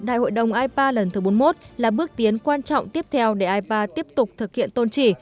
đại hội đồng ipa bốn mươi một là bước tiến quan trọng tiếp theo để ipa tiếp tục thực hiện tôn trì